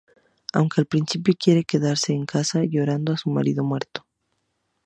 Aunque al principio quiere quedarse en casa, llorando a su marido muerto.